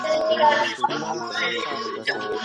هغه ښار هغه مالت دی مېني تشي له سړیو